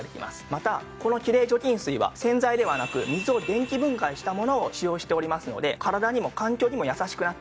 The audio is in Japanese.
またこのきれい除菌水は洗剤ではなく水を電気分解したものを使用しておりますので体にも環境にも優しくなっております。